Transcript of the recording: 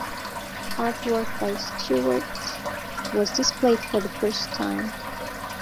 Artwork by Stewart was displayed for the first time.